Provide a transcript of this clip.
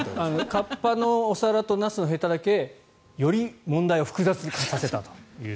河童のお皿とナスのへただけより問題を複雑化させたと。